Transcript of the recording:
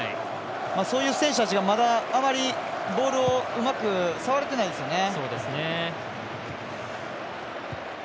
そういう選手たちがまだあまりボールを触れてないですよね。